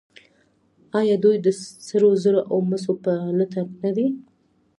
آیا دوی د سرو زرو او مسو په لټه نه دي؟